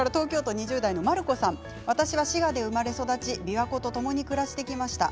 私は滋賀で生まれ育ち琵琶湖とともに暮らしてきました。